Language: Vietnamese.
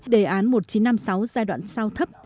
đề án một nghìn chín trăm năm mươi sáu giai đoạn sau thấp